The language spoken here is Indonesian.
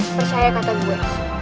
percaya kata gue